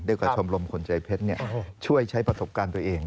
กับชมรมคนใจเพชรช่วยใช้ประสบการณ์ตัวเอง